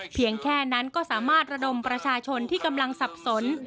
แค่นั้นก็สามารถระดมประชาชนที่กำลังสับสน